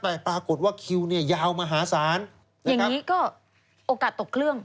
แต่ปรากฏว่าคิวเนี่ยยาวมหาศาลนะครับอันนี้ก็โอกาสตกเครื่อง